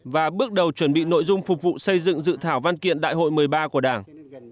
và bước đầu chuẩn bị nội dung phục vụ xây dựng dự thảo văn kiện đại hội một mươi ba của đảng